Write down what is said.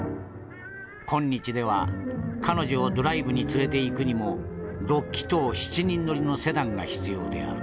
今日では彼女をドライブに連れていくにも６気筒７人乗りのセダンが必要である。